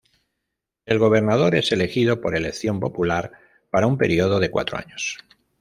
El gobernador es elegido por elección popular para un período de cuatro años.